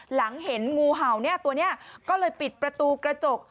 หลังเห็นงูเห่าเนี่ยตัวนี้ก็เลยปิดประตูกระจก